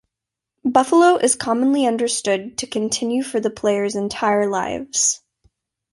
Buffalo is commonly understood to continue for the players' entire lives.